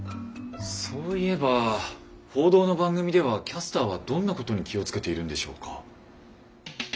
そういえば報道の番組ではキャスターはどんなことに気を付けているんでしょうか？